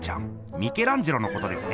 ミケランジェロのことですね。